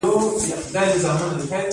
اروپا ته وچې میوې صادریږي.